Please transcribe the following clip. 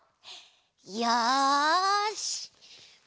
よし！